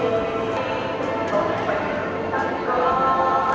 ขอบคุณทุกคนมากครับที่ทุกคนรัก